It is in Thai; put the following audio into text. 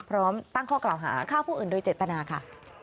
พร้อมตั้งข้อกล่าวหาฆ่าผู้อื่นโดยเจตนาค่ะ